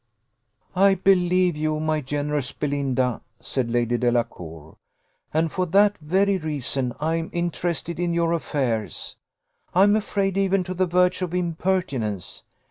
"I believe you, my generous Belinda!" said Lady Delacour; "and for that very reason I am interested in your affairs, I am afraid, even to the verge of impertinence.